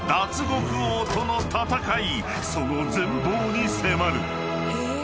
［その全貌に迫る］